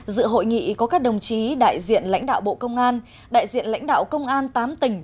dự hội nghị có các đồng chí đại diện lãnh đạo bộ công an đại diện lãnh đạo công an tám tỉnh